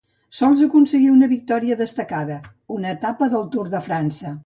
Sols aconseguí una victòria destacada, una etapa del Tour de França.